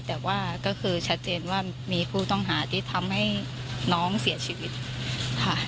แต่ว่าก็คือชัดเจนว่ามีผู้ต้องหาที่ทำให้น้องเสียชีวิตค่ะ